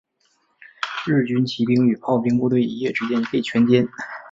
日军骑兵与炮兵部队一夜之间被全歼。